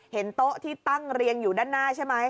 โต๊ะที่ตั้งเรียงอยู่ด้านหน้าใช่ไหม